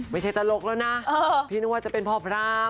ตลกแล้วนะพี่นึกว่าจะเป็นพ่อพราม